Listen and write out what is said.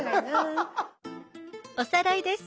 おさらいです。